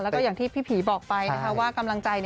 แล้วก็อย่างที่พี่ผีบอกไปว่ากำลังใจ